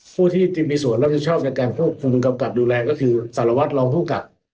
ผู้ที่มีส่วนรับผิดชอบในการควบคุมกำกับดูแลก็คือสารวัตรรองผู้กับ